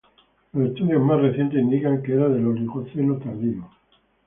Los estudios más recientes indican que era del Oligoceno tardío.